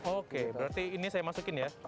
oke berarti ini saya masukin ya